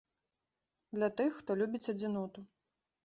Для тых, хто любіць адзіноту.